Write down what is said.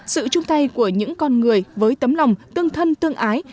sự chung tay của những con người với tấm lòng tương thân tương ái